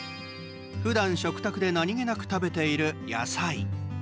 ふだん、食卓で何気なく食べている野菜。